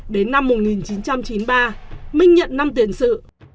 đến năm một nghìn chín trăm chín mươi ba minh nhận năm tiền sự